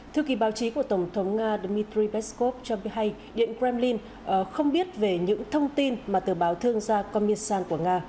thư ký báo chí của tổng thống nga dmitry peskov cho biết hay điện kremlin không biết về những thông tin mà tờ báo thương gia komiarsan của nga